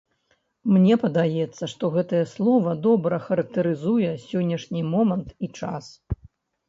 Мне падаецца, што гэтае слова добра характарызуе сённяшні момант і час.